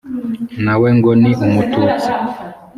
Nawe ngo ni umututsi.